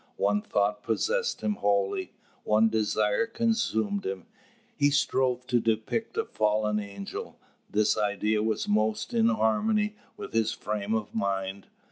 One thought possessed him wholly, one desire consumed him; he strove to depict a fallen angel. This idea was most in harmony with his frame of mind.